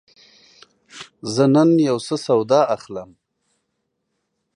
زه نن یوڅه سودا اخلم.